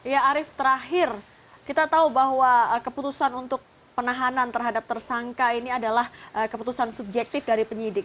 ya arief terakhir kita tahu bahwa keputusan untuk penahanan terhadap tersangka ini adalah keputusan subjektif dari penyidik